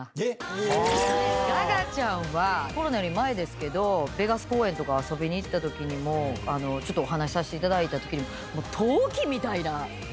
ガガちゃんはコロナより前ですけどベガス公演とか遊びに行ったときにもちょっとお話しさせていただいたときに。